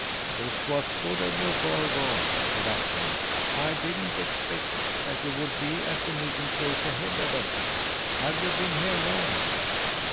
"This was good of you, Gorgo," said Akka. "I didn't expect that you would be at the meeting place ahead of us. Have you been here long?"